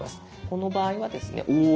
この場合はですねうぉ！